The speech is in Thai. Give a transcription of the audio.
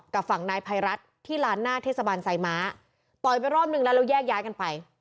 กับฝั่งนายภัยรัฐที่ร้านหน้าเทศบาลไซม้าต่อยไปรอบนึงแล้วแล้วแยกย้ายกันไป